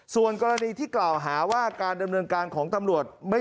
ส่วนกรณีที่กล่าวหาว่าการดำเนินการของตำรวจ